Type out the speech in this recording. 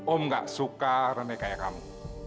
om gak suka renai kayak kamu